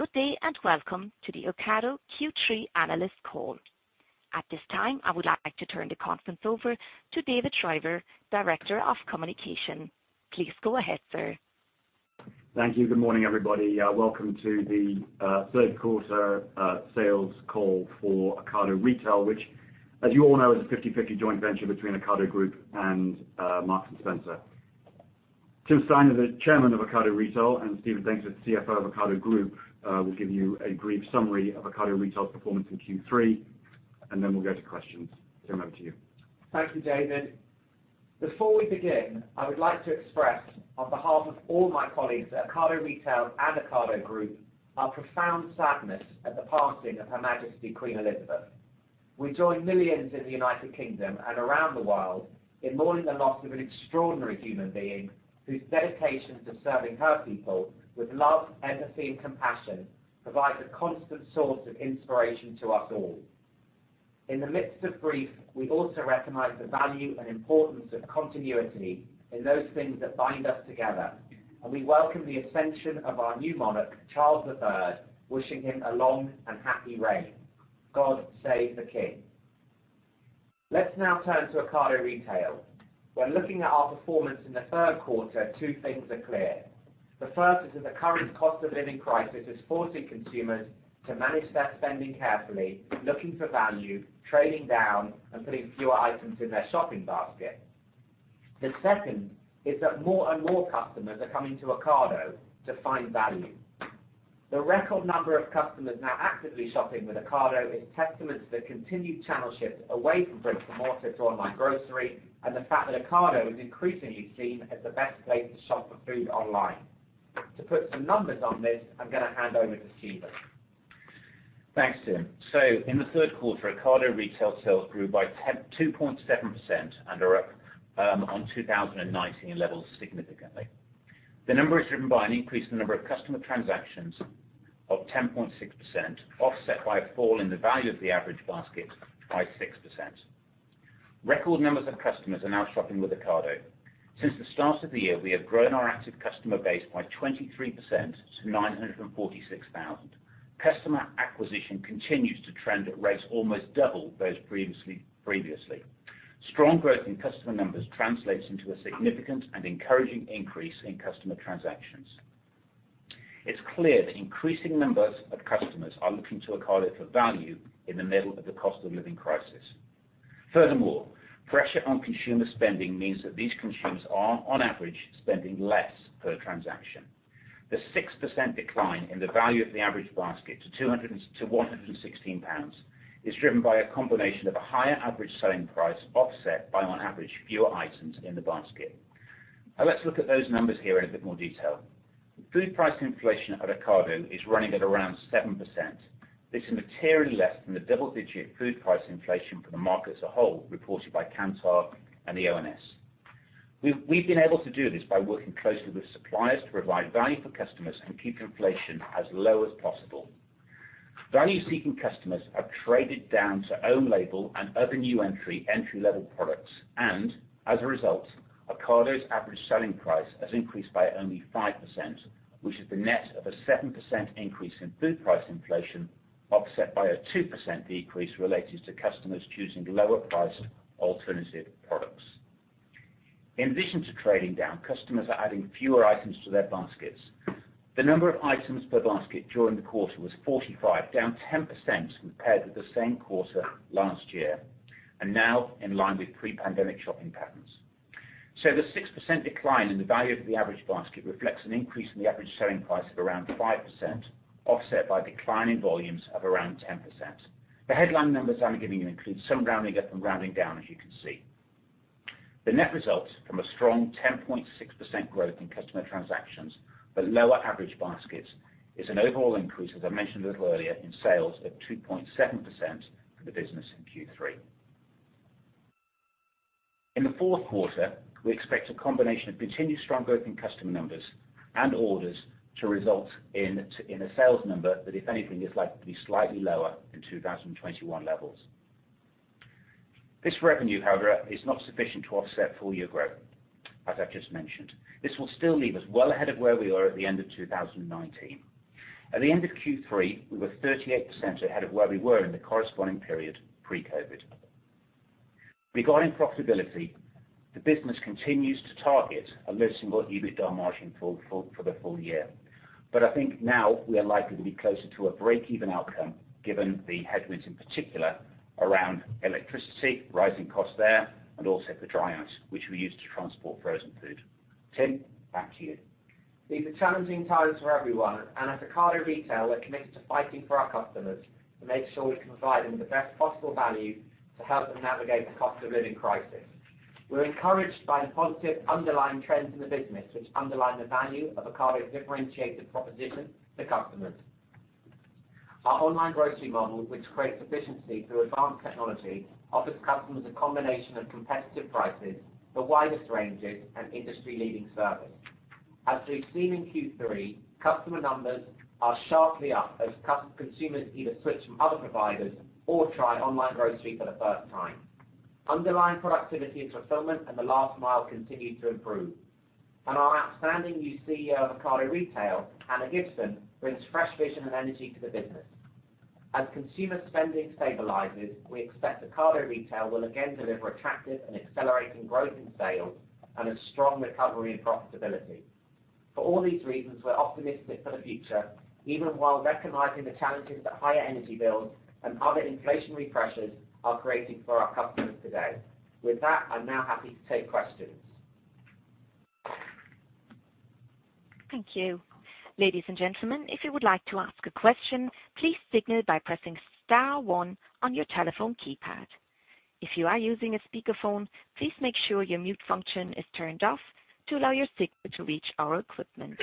Good day, and welcome to the Ocado Q3 analyst call. At this time, I would like to turn the conference over to David Shriver, Director of Communications. Please go ahead, sir. Thank you. Good morning, everybody. Welcome to the third quarter sales call for Ocado Retail, which as you all know, is a 50/50 joint venture between Ocado Group and Marks & Spencer. Tim Steiner is the chairman of Ocado Retail, and Stephen Daintith is the CFO of Ocado Group. We'll give you a brief summary of Ocado Retail's performance in Q3, and then we'll go to questions. Tim, over to you. Thank you, David. Before we begin, I would like to express on behalf of all my colleagues at Ocado Retail and Ocado Group, our profound sadness at the passing of Her Majesty Queen Elizabeth. We join millions in the United Kingdom and around the world in mourning the loss of an extraordinary human being, whose dedication to serving her people with love, empathy, and compassion provides a constant source of inspiration to us all. In the midst of grief, we also recognize the value and importance of continuity in those things that bind us together, and we welcome the ascension of our new monarch, Charles III, wishing him a long and happy reign. God save the King. Let's now turn to Ocado Retail. When looking at our performance in the third quarter, two things are clear. The first is that the current cost of living crisis is forcing consumers to manage their spending carefully, looking for value, trading down, and putting fewer items in their shopping basket. The second is that more and more customers are coming to Ocado to find value. The record number of customers now actively shopping with Ocado is testament to the continued channel shift away from bricks and mortar to online grocery, and the fact that Ocado is increasingly seen as the best place to shop for food online. To put some numbers on this, I'm gonna hand over to Stephen. Thanks, Tim. In the third quarter, Ocado Retail sales grew by 2.7% on 2019 levels significantly. The number is driven by an increase in the number of customer transactions of 10.6%, offset by a fall in the value of the average basket by 6%. Record numbers of customers are now shopping with Ocado. Since the start of the year, we have grown our active customer base by 23% to 946,000. Customer acquisition continues to trend at rates almost double those previously. Strong growth in customer numbers translates into a significant and encouraging increase in customer transactions. It's clear that increasing numbers of customers are looking to Ocado for value in the middle of the cost of living crisis. Furthermore, pressure on consumer spending means that these consumers are, on average, spending less per transaction. The 6% decline in the value of the average basket to 116 pounds is driven by a combination of a higher average selling price offset by, on average, fewer items in the basket. Now let's look at those numbers here in a bit more detail. Food price inflation at Ocado is running at around 7%. This is materially less than the double-digit food price inflation for the market as a whole, reported by Kantar and the ONS. We've been able to do this by working closely with suppliers to provide value for customers and keep inflation as low as possible. Value-seeking customers have traded down to own label and other new entry-level products. As a result, Ocado's average selling price has increased by only 5%, which is the net of a 7% increase in food price inflation, offset by a 2% decrease related to customers choosing lower priced alternative products. In addition to trading down, customers are adding fewer items to their baskets. The number of items per basket during the quarter was 45, down 10% compared with the same quarter last year, and now in line with pre-pandemic shopping patterns. The 6% decline in the value of the average basket reflects an increase in the average selling price of around 5%, offset by declining volumes of around 10%. The headline numbers I'm giving you include some rounding up and rounding down, as you can see. The net results from a strong 10.6% growth in customer transactions but lower average baskets is an overall increase, as I mentioned a little earlier, in sales of 2.7% for the business in Q3. In the fourth quarter, we expect a combination of continued strong growth in customer numbers and orders to result in a sales number that, if anything, is likely to be slightly lower than 2021 levels. This revenue, however, is not sufficient to offset full-year growth, as I've just mentioned. This will still leave us well ahead of where we were at the end of 2019. At the end of Q3, we were 38% ahead of where we were in the corresponding period pre-COVID. Regarding profitability, the business continues to target a low single EBITDA margin for the full year. I think now we are likely to be closer to a break-even outcome given the headwinds in particular around electricity, rising costs there, and also for dry ice, which we use to transport frozen food. Tim, back to you. These are challenging times for everyone, and at Ocado Retail, we're committed to fighting for our customers to make sure we can provide them with the best possible value to help them navigate the cost of living crisis. We're encouraged by the positive underlying trends in the business, which underline the value of Ocado's differentiated proposition to customers. Our online grocery model, which creates efficiency through advanced technology, offers customers a combination of competitive prices, the widest ranges, and industry-leading service. As we've seen in Q3, customer numbers are sharply up as consumers either switch from other providers or try online grocery for the first time. Underlying productivity and fulfillment and the last mile continued to improve. Our outstanding new CEO of Ocado Retail, Hannah Gibson, brings fresh vision and energy to the business. As consumer spending stabilizes, we expect Ocado Retail will again deliver attractive and accelerating growth in sales and a strong recovery in profitability. For all these reasons, we're optimistic for the future, even while recognizing the challenges that higher energy bills and other inflationary pressures are creating for our customers today. With that, I'm now happy to take questions. Thank you. Ladies and gentlemen, if you would like to ask a question, please signal by pressing star one on your telephone keypad. If you are using a speakerphone, please make sure your mute function is turned off to allow your signal to reach our equipment.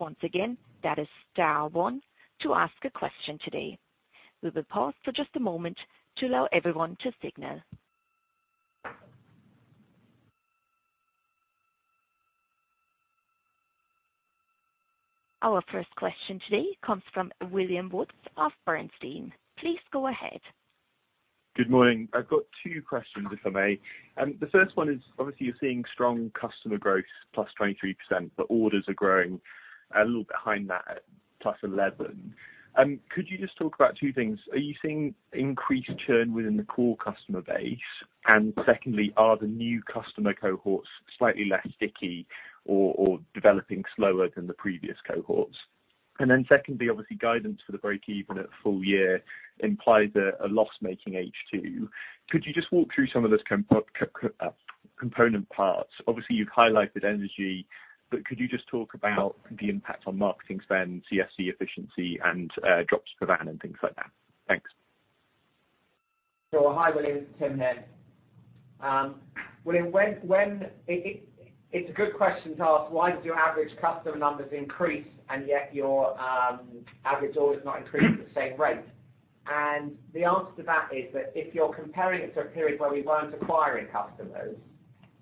Once again, that is star one to ask a question today. We will pause for just a moment to allow everyone to signal. Our first question today comes from William Woods of Bernstein. Please go ahead. Good morning. I've got two questions, if I may. The first one is, obviously, you're seeing strong customer growth, plus 23%, but orders are growing a little behind that at plus 11%. Could you just talk about two things? Are you seeing increased churn within the core customer base? And secondly, are the new customer cohorts slightly less sticky or developing slower than the previous cohorts? And then secondly, obviously, guidance for the break-even at full year implies a loss-making H2. Could you just walk through some of those component parts? Obviously, you've highlighted energy, but could you just talk about the impact on marketing spend, CFC efficiency and drops per van and things like that? Thanks. Sure. Hi, William. Tim here. William, when it's a good question to ask, why does your average customer numbers increase and yet your average orders not increase at the same rate? The answer to that is that if you're comparing it to a period where we weren't acquiring customers,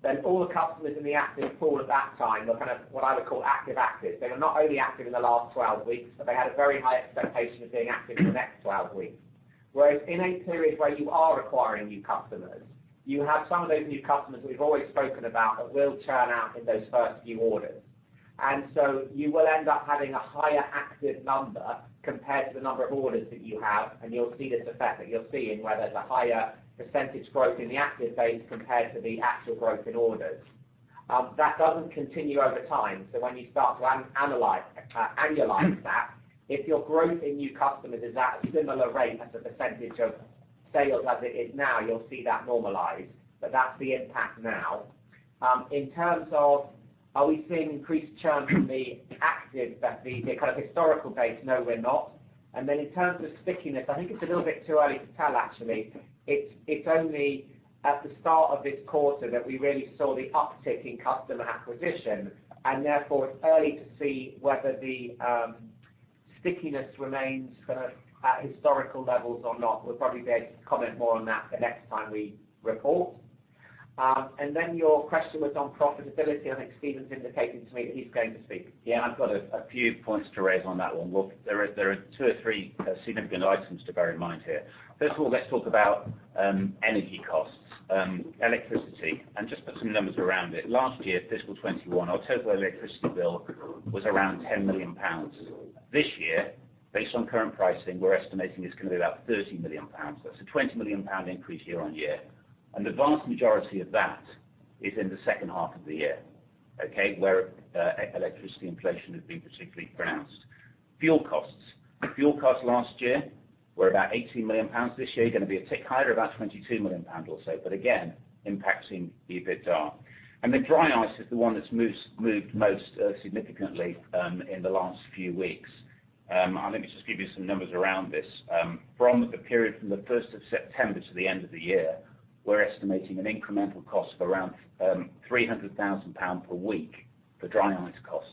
then all the customers in the active pool at that time were kind of what I would call active actives. They were not only active in the last 12 weeks, but they had a very high expectation of being active in the next 12 weeks. Whereas in a period where you are acquiring new customers, you have some of those new customers we've always spoken about that will churn out in those first few orders. You will end up having a higher active number compared to the number of orders that you have, and you'll see this effect that you're seeing, where there's a higher percentage growth in the active base compared to the actual growth in orders. That doesn't continue over time. When you start to annualize that, if your growth in new customers is at a similar rate as a percentage of sales as it is now, you'll see that normalize. That's the impact now. In terms of are we seeing increased churn from the active, the kind of historical base, no, we're not. In terms of stickiness, I think it's a little bit too early to tell, actually. It's only at the start of this quarter that we really saw the uptick in customer acquisition, and therefore it's early to see whether the stickiness remains kind of at historical levels or not. We'll probably be able to comment more on that the next time we report. Your question was on profitability. I think Stephen's indicated to me that he's going to speak. Yeah, I've got a few points to raise on that one. Look, there are two or three significant items to bear in mind here. First of all, let's talk about energy costs, electricity, and just put some numbers around it. Last year, fiscal 2021, our total electricity bill was around 10 million pounds. This year, based on current pricing, we're estimating it's gonna be about 30 million pounds. That's a 20 million pound increase year-on-year. The vast majority of that is in the second half of the year, okay, where electricity inflation has been particularly pronounced. Fuel costs last year were about 18 million pounds. This year, going to be a tick higher, about 22 million pounds or so, but again, impacting the EBITDA. The dry ice is the one that's moved most significantly in the last few weeks. Let me just give you some numbers around this. From the period from the first of September to the end of the year, we're estimating an incremental cost of around 300,000 pounds per week for dry ice costs.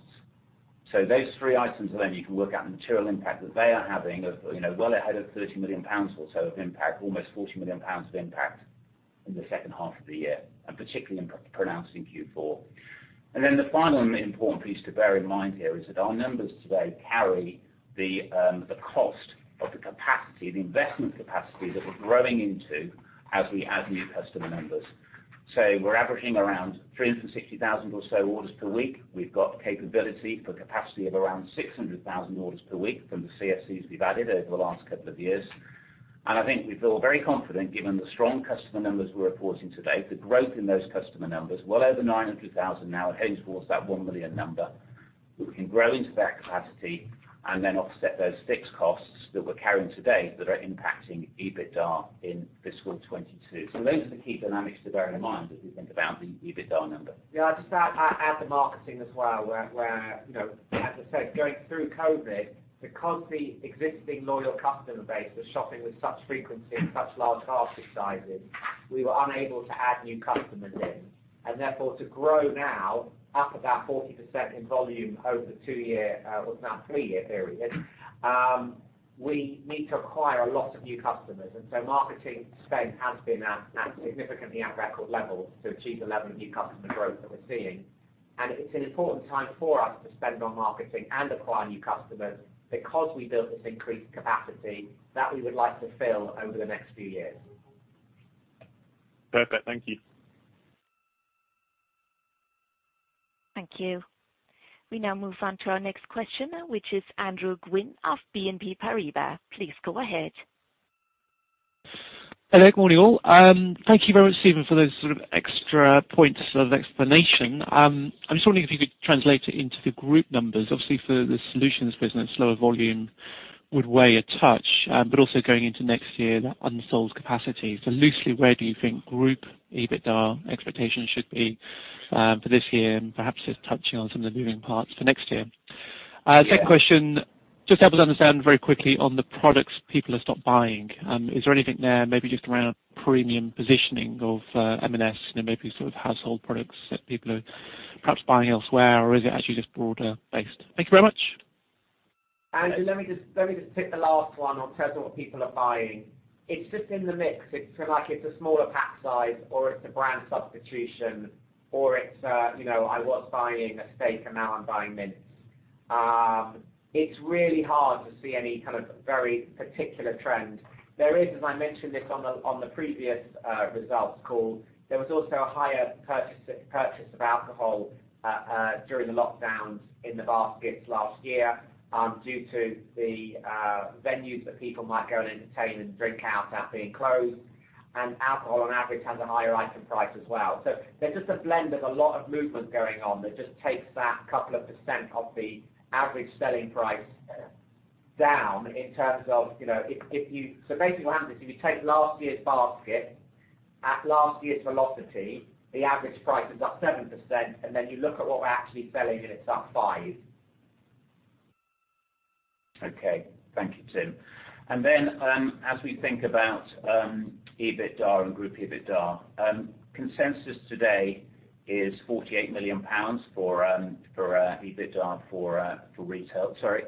Those three items, and then you can work out the material impact that they are having of, you know, well ahead of 30 million pounds or so of impact, almost 40 million pounds of impact in the second half of the year, and particularly pronounced in Q4. The final and important piece to bear in mind here is that our numbers today carry the cost of the capacity, the investment capacity that we're growing into as we add new customer numbers. We're averaging around 360,000 or so orders per week. We've got capability for capacity of around 600,000 orders per week from the CFCs we've added over the last couple of years. I think we feel very confident, given the strong customer numbers we're reporting today, the growth in those customer numbers, well over 900,000 now heading towards that 1 million number, that we can grow into that capacity and then offset those fixed costs that we're carrying today that are impacting EBITDA in fiscal 2022. Those are the key dynamics to bear in mind as we think about the EBITDA number. Yeah, I'll just add the marketing as well, where you know, as I said, going through COVID, because the existing loyal customer base was shopping with such frequency and such large basket sizes, we were unable to add new customers in. Therefore, to grow now up about 40% in volume over the two-year, or now three-year period, we need to acquire a lot of new customers. Marketing spend has been at significantly at record levels to achieve the level of new customer growth that we're seeing. It's an important time for us to spend on marketing and acquire new customers because we built this increased capacity that we would like to fill over the next few years. Perfect. Thank you. Thank you. We now move on to our next question, which is Andrew Gwynn of BNP Paribas. Please go ahead. Hello, good morning, all. Thank you very much, Stephen, for those sort of extra points of explanation. I was wondering if you could translate it into the group numbers. Obviously, for the solutions business, lower volume would weigh a touch, but also going into next year, that unsold capacity. Loosely, where do you think group EBITDA expectations should be, for this year, and perhaps just touching on some of the moving parts for next year? Yeah. Second question, just help us understand very quickly on the products people have stopped buying, is there anything there maybe just around premium positioning of, M&S, you know, maybe sort of household products that people are perhaps buying elsewhere, or is it actually just broader based? Thank you very much. Andrew, let me just take the last one in terms of what people are buying. It's just in the mix. It's like a smaller pack size or a brand substitution or it's a, you know, I was buying a steak and now I'm buying mince. It's really hard to see any kind of very particular trend. There is, as I mentioned this on the previous results call, there was also a higher purchase of alcohol during the lockdowns in the baskets last year due to the venues that people might go and entertain and drink out that being closed. Alcohol on average has a higher item price as well. There's just a blend of a lot of movement going on that just takes that couple of percent of the average selling price down in terms of. Basically what happens, if you take last year's basket at last year's velocity, the average price is up 7%, and then you look at what we're actually selling and it's up 5%. Okay, thank you, Tim. Then, as we think about EBITDA and group EBITDA, consensus today is 48 million pounds for EBITDA for retail, sorry.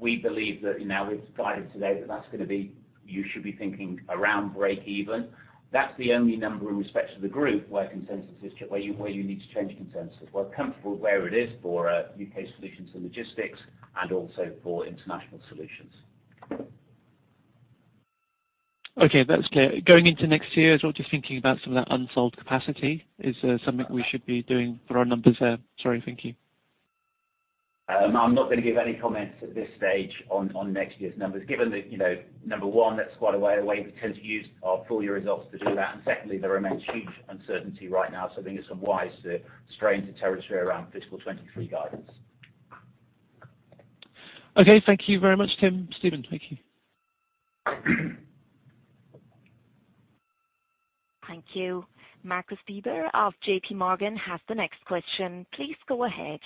We believe that now we've guided today that that's gonna be, you should be thinking around break even. That's the only number in respect to the group where consensus is, where you need to change consensus. We're comfortable where it is for UK Solutions & Logistics and also for International Solutions. Okay, that's clear. Going into next year as well, just thinking about some of that unsold capacity, is there something we should be doing for our numbers there? Sorry. Thank you. I'm not gonna give any comments at this stage on next year's numbers, given that, you know, number one, that's quite a way away. We tend to use our full year results to do that. Secondly, there remains huge uncertainty right now. I think it's unwise to stray into territory around fiscal 2023 guidance. Okay. Thank you very much, Tim, Steven. Thank you. Thank you. Marcus Diebel of J.P. Morgan has the next question. Please go ahead.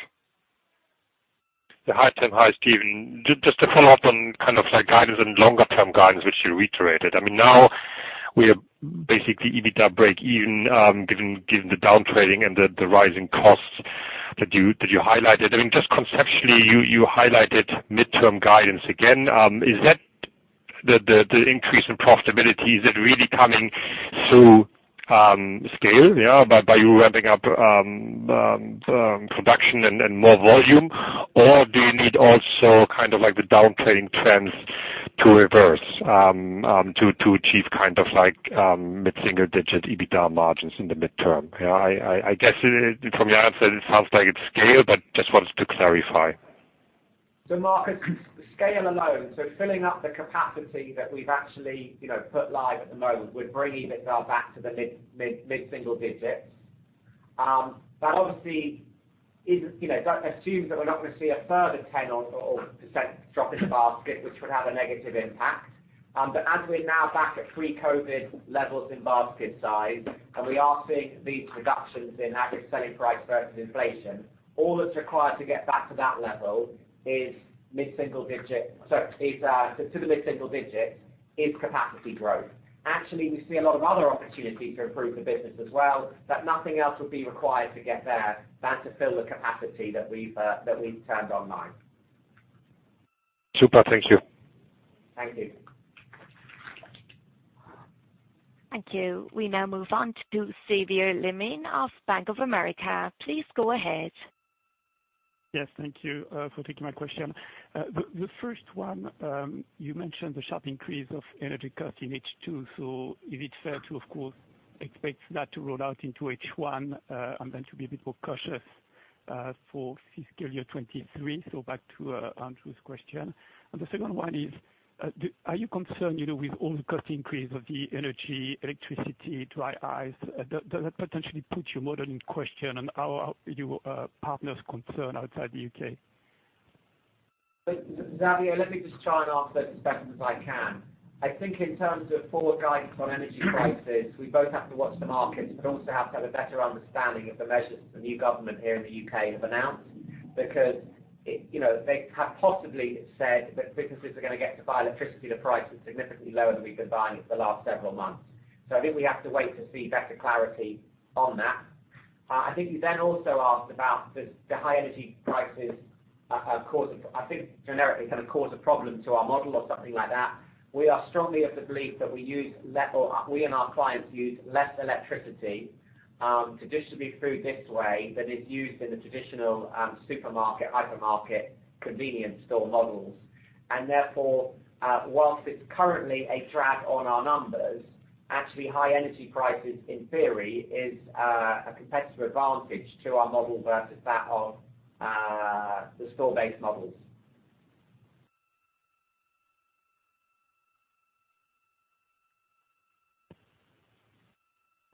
Yeah. Hi, Tim. Hi, Stephen. Just to follow up on kind of like guidance and longer term guidance, which you reiterated. I mean, now we are basically EBITDA breakeven, given the downtrading and the rising costs that you highlighted. I mean, just conceptually, you highlighted midterm guidance again. Is that the increase in profitability, is it really coming through scale? Yeah. By you ramping up production and more volume? Or do you need also kind of like the downtrends to reverse, to achieve kind of like mid-single digit EBITDA margins in the midterm? Yeah, I guess from your answer it sounds like it's scale, but just wanted to clarify. Marcus, scale alone, filling up the capacity that we've actually put live at the moment, would bring EBITDA back to the mid single digits. That obviously assumes that we're not going to see a further 10% drop in the basket, which would have a negative impact. As we're now back at pre-COVID levels in basket size and we are seeing these reductions in average selling price versus inflation, all that's required to get back to that level is mid-single digits capacity growth. Actually, we see a lot of other opportunities to improve the business as well, but nothing else would be required to get there than to fill the capacity that we've turned online. Super. Thank you. Thank you. Thank you. We now move on to Xavier Le Mené of Bank of America. Please go ahead. Yes, thank you for taking my question. The first one, you mentioned the sharp increase of energy cost in H2. Is it fair to, of course, expect that to roll out into H1, and then to be a bit more cautious for fiscal year 2023? Back to Andrew's question. The second one is, are you concerned, you know, with all the cost increase of the energy, electricity, dry ice, does that potentially put your model in question and are your partners concerned outside the UK? Xavier, let me just try and answer as best as I can. I think in terms of forward guidance on energy prices, we both have to watch the markets, but also have to have a better understanding of the measures the new government here in the U.K. have announced. Because it, you know, they have possibly said that businesses are going to get to buy electricity at a price that's significantly lower than we've been buying it the last several months. I think we have to wait to see better clarity on that. I think you then also asked about the high energy prices. Of course, I think generically kind of cause a problem to our model or something like that. We are strongly of the belief that we use less or we and our clients use less electricity, traditionally through this way than is used in the traditional, supermarket, hypermarket, convenience store models. Therefore, while it's currently a drag on our numbers, actually high energy prices in theory is a competitive advantage to our model versus that of the store-based models.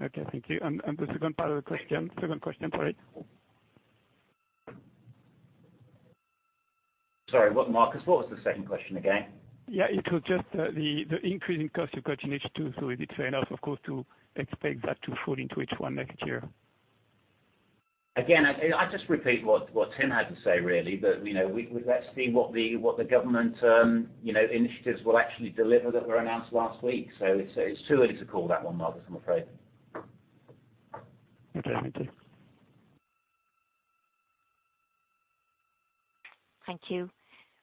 Okay, thank you. The second part of the question, second question, sorry. Sorry, what Marcus, what was the second question again? Yeah, it was just, the increasing cost you've got in H2, so is it fair enough, of course, to expect that to fall into H1 next year? Again, I just repeat what Tim had to say, really, that you know, let's see what the government initiatives will actually deliver that were announced last week. It's too early to call that one, Marcus, I'm afraid. Okay. Thank you. Thank you.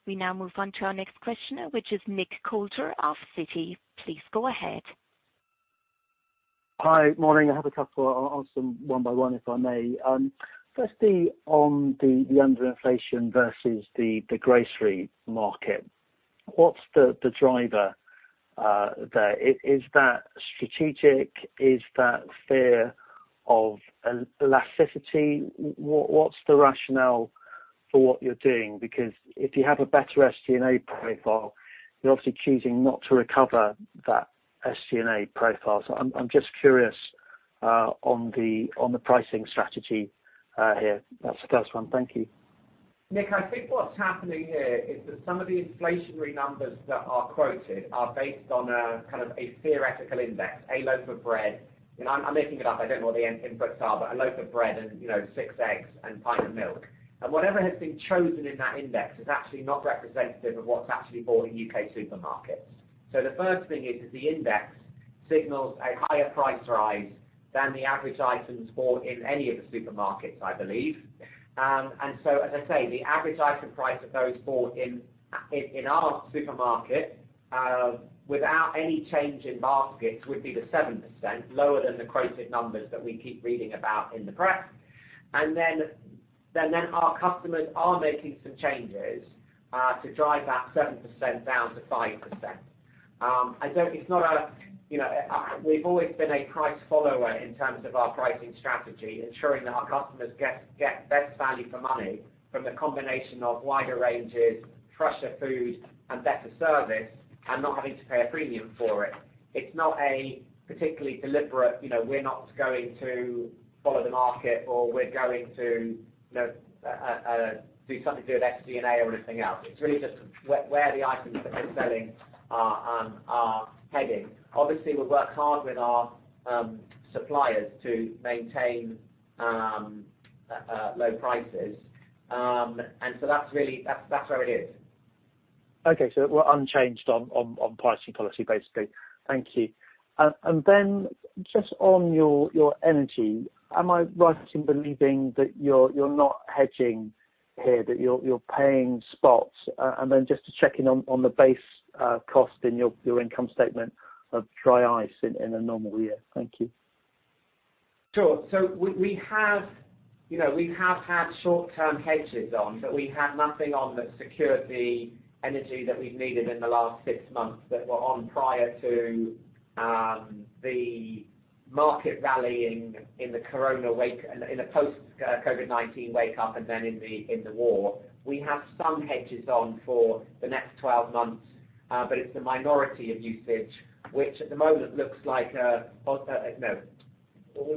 We now move on to our question, which is Nick Coulter of Citi. Please go ahead. Hi. Morning. I have a couple. I'll ask them one by one, if I may. Firstly, on the under inflation versus the grocery market, what's the driver there? Is that strategic? Is that fear of elasticity? What's the rationale for what you're doing? Because if you have a better SG&A profile, you're obviously choosing not to recover that SG&A profile. So I'm just curious on the pricing strategy here. That's the first one. Thank you. Nick, I think what's happening here is that some of the inflationary numbers that are quoted are based on a kind of a theoretical index, a loaf of bread. You know, I'm making it up. I don't know what the inputs are, but a loaf of bread and, you know, six eggs and pint of milk. Whatever has been chosen in that index is actually not representative of what's actually bought in U.K. supermarkets. The first thing is the index signals a higher price rise than the average items bought in any of the supermarkets, I believe. As I say, the average item price of those bought in our supermarket without any change in baskets would be 7% lower than the quoted numbers that we keep reading about in the press. Our customers are making some changes to drive that 7% down to 5%. It's not a, you know, we've always been a price follower in terms of our pricing strategy, ensuring that our customers get best value for money from the combination of wider ranges, fresher food, and better service and not having to pay a premium for it. It's not a particularly deliberate, you know, we're not going to follow the market or we're going to, you know, do something to do with SG&A or anything else. It's really just where the items that we're selling are heading. Obviously, we work hard with our suppliers to maintain low prices. That's really where it is. Okay. We're unchanged on pricing policy, basically. Thank you. Just on your energy, am I right in believing that you're not hedging here, that you're paying spots? Just to check in on the base cost in your income statement of dry ice in a normal year. Thank you. Sure. We have had short-term hedges on, but we have nothing on that secured the energy that we've needed in the last six months that were on prior to the market rallying in the post COVID-19 wake up and then in the war. We have some hedges on for the next 12 months, but it's the minority of usage, which at the moment looks like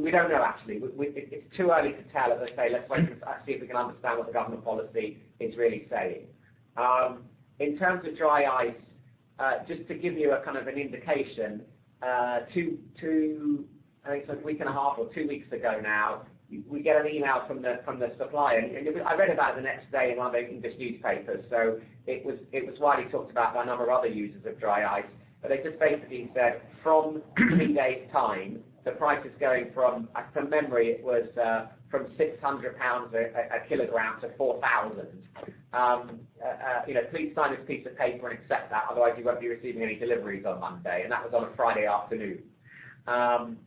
we don't know, actually. It's too early to tell, as I say. Let's wait and see if we can understand what the government policy is really saying. In terms of dry ice, just to give you a kind of an indication, two, I think it's a week and a half or two weeks ago now, we get an email from the supplier. I read about it the next day in one of the English newspapers. It was widely talked about by a number of other users of dry ice. They just basically said, from three days' time, the price is going from memory, it was, from 600 pounds a kilogram to 4,000. You know, please sign this piece of paper and accept that, otherwise you won't be receiving any deliveries on Monday, and that was on a Friday afternoon.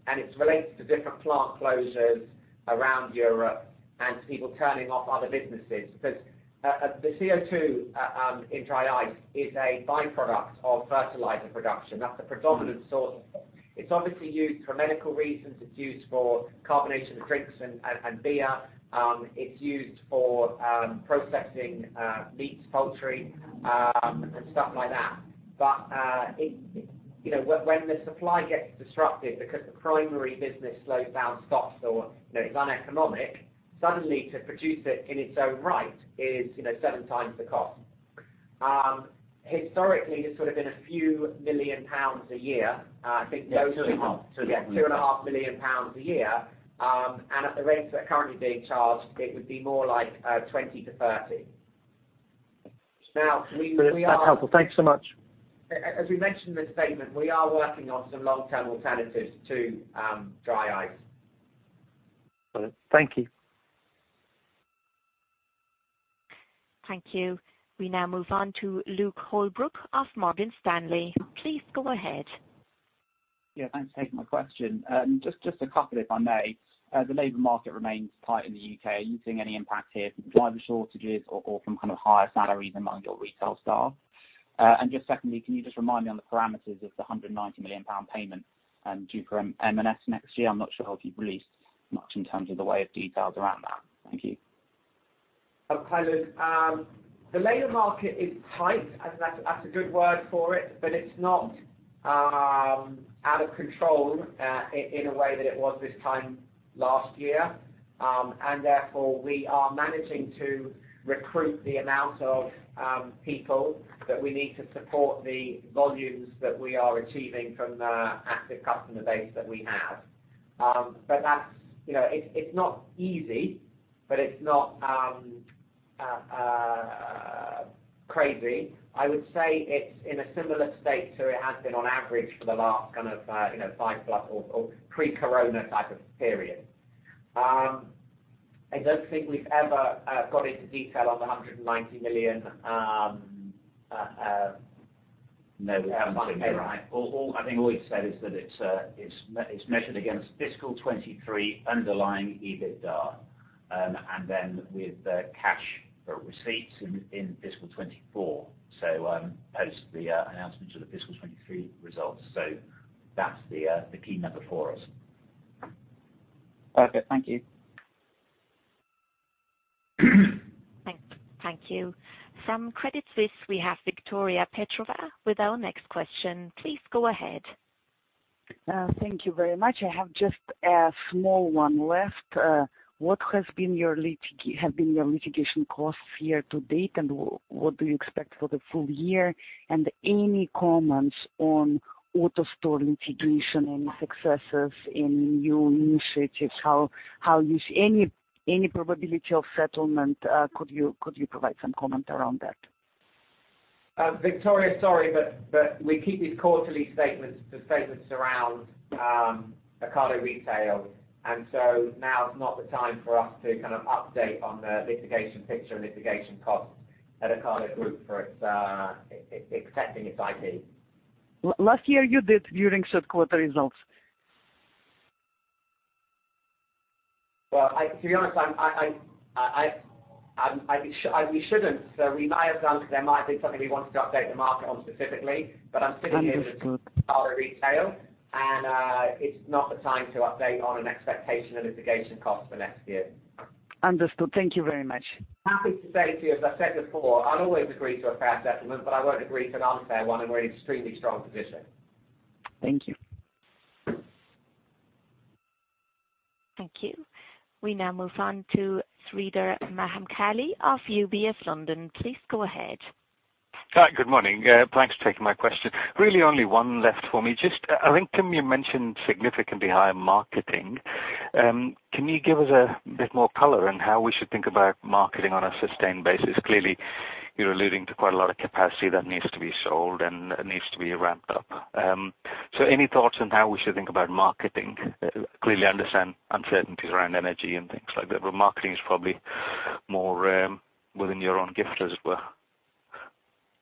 It's related to different plant closures around Europe and to people turning off other businesses. Because the CO2 in dry ice is a by-product of fertilizer production. That's the predominant source. It's obviously used for medical reasons. It's used for carbonation of drinks and beer. It's used for processing meats, poultry, and stuff like that. But you know, when the supply gets disrupted because the primary business slows down, stops, or you know, it's uneconomic, suddenly to produce it in its own right is you know, 7 times the cost. Historically, it's sort of been a few million GBP a year. I think. Yeah, 2.5. Yeah, 2.5 million pounds a year. At the rates that are currently being charged, it would be more like 20 million-30 million. Now, we are- That's helpful. Thanks so much. As we mentioned in the statement, we are working on some long-term alternatives to dry ice. Thank you. Thank you. We now move on to Luke Holbrook of Morgan Stanley. Please go ahead. Yeah, thanks for taking my question. Just a couple if I may. The labor market remains tight in the U.K. Are you seeing any impact here from driver shortages or from kind of higher salaries among your retail staff? Just secondly, can you just remind me on the parameters of the 190 million pound payment, due from M&S next year? I'm not sure how you've released much by way of details around that. Thank you. Okay, Luke. The labor market is tight, as that's a good word for it, but it's not out of control in a way that it was this time last year. Therefore we are managing to recruit the amount of people that we need to support the volumes that we are achieving from the active customer base that we have. That's, you know, it's not easy, but it's not crazy. I would say it's in a similar state to it has been on average for the last kind of, you know, five plus or pre-corona type of period. I don't think we've ever got into detail on the 190 million. No, we haven't, have we? I think all we've said is that it's measured against fiscal 2023 underlying EBITDA, and then with the cash receipts in fiscal 2024, post the announcement of the fiscal 2023 results. That's the key number for us. Perfect. Thank you. Thank you. From Credit Suisse, we have Victoria Petrova with our next question. Please go ahead. Thank you very much. I have just a small one left. What have been your litigation costs year to date, and what do you expect for the full year? Any comments on AutoStore litigation, any successes in new initiatives, any probability of settlement, could you provide some comment around that? Victoria, sorry, but we keep these quarterly statements to statements around Ocado Retail. Now is not the time for us to kind of update on the litigation picture and litigation costs at Ocado Group for its protecting its IP. Last year you did during third quarter results. Well, to be honest, we shouldn't. We might have done because there might have been something we wanted to update the market on specifically, but I'm sitting here. Understood. with Ocado Retail and, it's not the time to update on an expectation of litigation costs for next year. Understood. Thank you very much. Happy to say to you, as I said before, I'd always agree to a fair settlement, but I won't agree to an unfair one, and we're in an extremely strong position. Thank you. Thank you. We now move on to Sreedhar Mahamkali of UBS London. Please go ahead. Hi. Good morning. Thanks for taking my question. Really only one left for me. Just I think you mentioned significantly higher marketing. Can you give us a bit more color on how we should think about marketing on a sustained basis? Clearly, you're alluding to quite a lot of capacity that needs to be sold and needs to be ramped up. Any thoughts on how we should think about marketing? Clearly understand uncertainties around energy and things like that, but marketing is probably more within your own gift as well.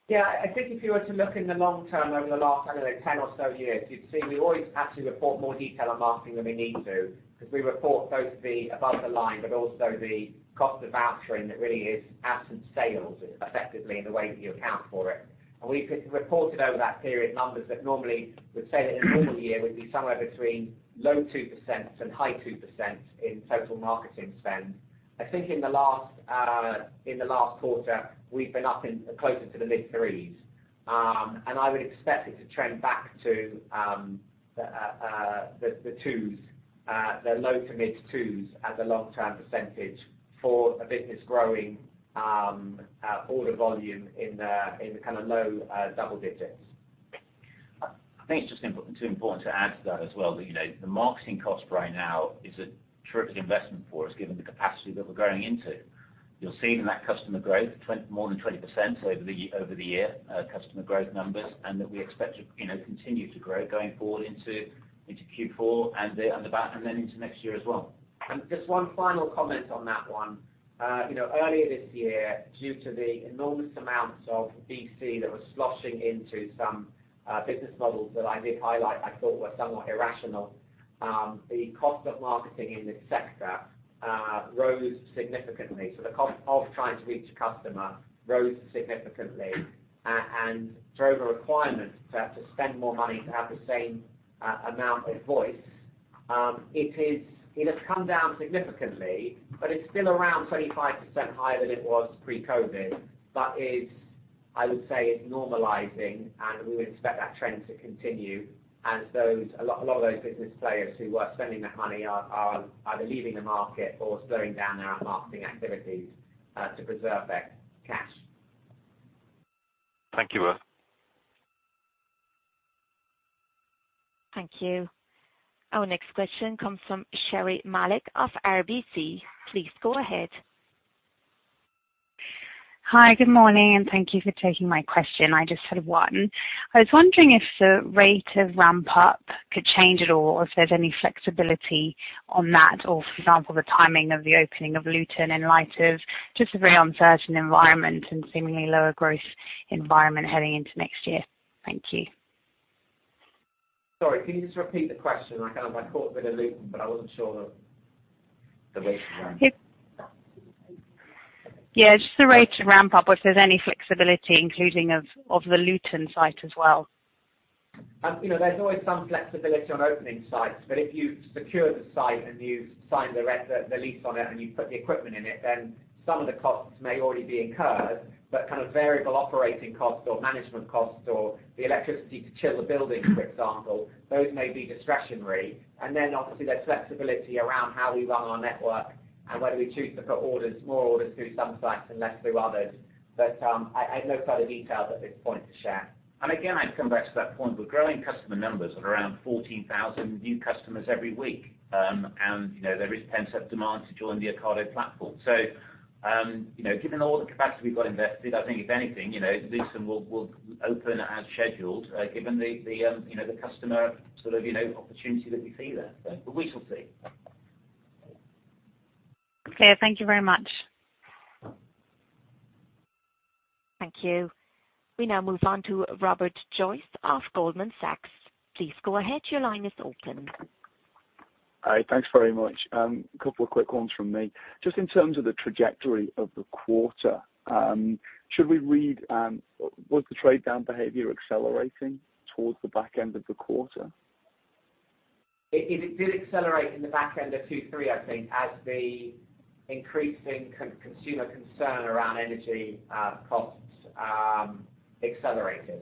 Yeah, I think if you were to look in the long term over the last, I don't know, 10 or so years, you'd see we always actually report more detail on marketing than we need to because we report both the above the line but also the cost of vouchering that really is absent sales effectively in the way that you account for it. We've reported over that period numbers that normally would say that in a normal year would be somewhere between low 2% and high 2% in total marketing spend. I think in the last quarter, we've been up in closer to the mid 3s. I would expect it to trend back to the low- to mid-2s as a long-term percentage for a business growing order volume in the kind of low double digits. I think it's just too important to add to that as well, that, you know, the marketing cost right now is a terrific investment for us, given the capacity that we're growing into. You'll see it in that customer growth, more than 20% over the year, customer growth numbers, and that we expect to, you know, continue to grow going forward into Q4 and the back and then into next year as well. Just one final comment on that one. You know, earlier this year, due to the enormous amounts of VC that was sloshing into some business models that I did highlight, I thought were somewhat irrational, the cost of marketing in this sector rose significantly. The cost of trying to reach a customer rose significantly and drove a requirement to have to spend more money to have the same amount of voice. It has come down significantly, but it's still around 25% higher than it was pre-COVID. It's, I would say, it's normalizing, and we would expect that trend to continue as those, a lot of those business players who were spending the money are either leaving the market or slowing down their marketing activities to preserve their cash. Thank you both. Thank you. Our next question comes from Sherri Malek of RBC. Please go ahead. Hi, good morning, and thank you for taking my question. I just had one. I was wondering if the rate of ramp up could change at all, if there's any flexibility on that or, for example, the timing of the opening of Luton in light of just a very uncertain environment and seemingly lower growth environment heading into next year. Thank you. Sorry, can you just repeat the question? I kind of caught a bit of Luton, but I wasn't sure the rate of ramp. Yeah. Just the rate of ramp up, if there's any flexibility including of the Luton site as well. You know, there's always some flexibility on opening sites, but if you secure the site and you sign the lease on it and you put the equipment in it, then some of the costs may already be incurred. Kind of variable operating costs or management costs or the electricity to chill the building, for example, those may be discretionary. Obviously there's flexibility around how we run our network and whether we choose to put orders, more orders through some sites and less through others. I have no further details at this point to share. Again, I'd come back to that point. We're growing customer numbers of around 14,000 new customers every week. You know, there is pent-up demand to join the Ocado platform. You know, given all the capacity we've got invested, I think if anything, you know, Luton will open as scheduled, given the you know, the customer sort of, you know, opportunity that we see there. We shall see. Clear. Thank you very much. Thank you. We now move on to Robert Joyce of Goldman Sachs. Please go ahead. Your line is open. Hi. Thanks very much. A couple of quick ones from me. Just in terms of the trajectory of the quarter, should we read was the trade down behavior accelerating towards the back end of the quarter? It did accelerate in the back end of 2023, I think, as the increasing consumer concern around energy costs accelerated.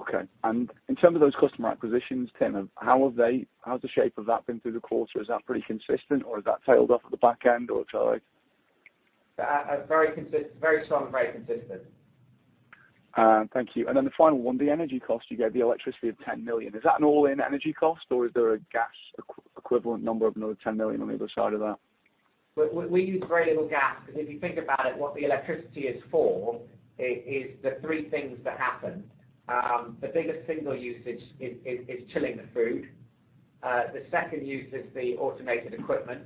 Okay. In terms of those customer acquisitions, Tim, how's the shape of that been through the quarter? Is that pretty consistent or has that tailed off at the back end or sorry? Very strong, very consistent. Thank you. The final one, the energy cost, you gave the electricity of 10 million. Is that an all-in energy cost or is there a gas equivalent number of another 10 million on the other side of that? We use very little gas. If you think about it, what the electricity is for is the three things that happen. The biggest single usage is chilling the food. The second use is the automated equipment,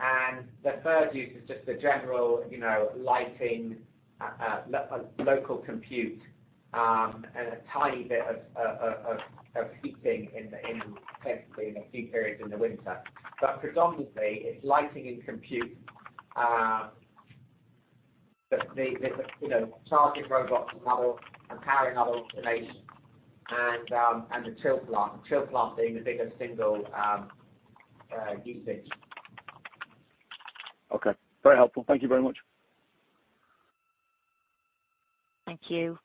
and the third use is just the general, you know, lighting, local compute, and a tiny bit of heating in, technically, in a few periods in the winter. Predominantly it's lighting and compute, the, you know, charging robots and powering other automation and the chill plant. Chill plant being the biggest single usage. Okay, very helpful. Thank you very much. Thank you.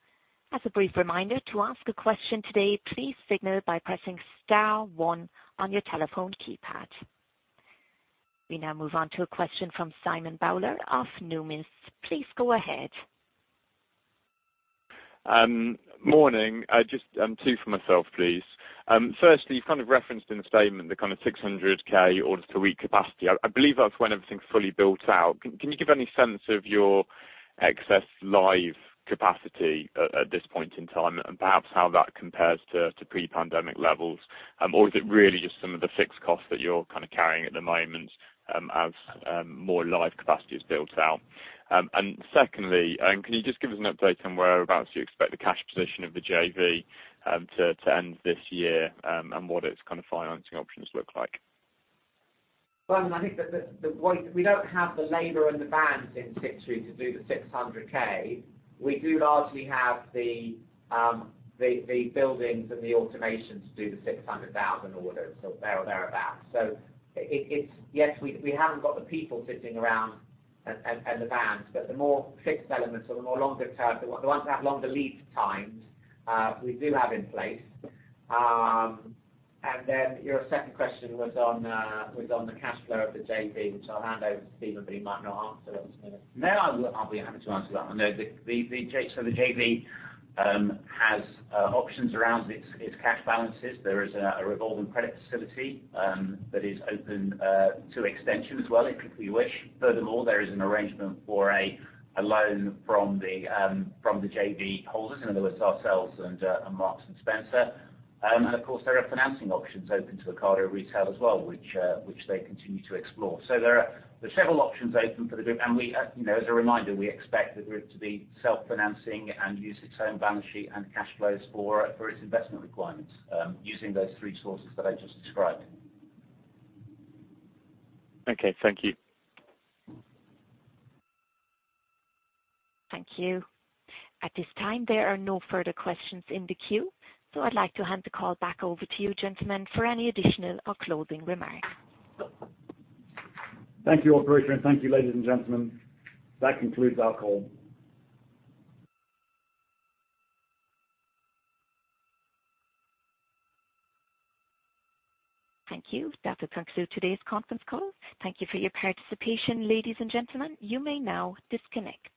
As a brief reminder, to ask a question today, please signal by pressing star one on your telephone keypad. We now move on to a question from Simon Bowler of Numis. Please go ahead. Morning. Just two for myself, please. Firstly, you kind of referenced in the statement the kind of 600,000 orders per week capacity. I believe that's when everything's fully built out. Can you give any sense of your excess live capacity at this point in time and perhaps how that compares to pre-pandemic levels? Or is it really just some of the fixed costs that you're kind of carrying at the moment, as more live capacity is built out? Secondly, can you just give us an update on whereabouts you expect the cash position of the JV to end this year, and what its kind of financing options look like? Well, I think we don't have the labor and the vans in situ to do the 600,000. We do largely have the buildings and the automation to do the 600,000 orders or thereabouts. Yes, we haven't got the people sitting around and the vans, but the more fixed elements or the longer term, the ones that have longer lead times, we do have in place. Then your second question was on the cash flow of the JV, which I'll hand over to Stephen, but he might not answer it. No, I will. I'll be happy to answer that one. No, the JV, so the JV has options around its cash balances. There is a revolving credit facility that is open to extension as well if we wish. Furthermore, there is an arrangement for a loan from the JV holders. In other words, ourselves and Marks & Spencer. Of course, there are financing options open to Ocado Retail as well, which they continue to explore. There are several options open for the group. You know, as a reminder, we expect the group to be self-financing and use its own balance sheet and cash flows for its investment requirements, using those three sources that I just described. Okay. Thank you. Thank you. At this time, there are no further questions in the queue, so I'd like to hand the call back over to you, gentlemen, for any additional or closing remarks. Thank you, operator, and thank you, ladies and gentlemen. That concludes our call. Thank you. That will conclude today's conference call. Thank you for your participation, ladies and gentlemen. You may now disconnect.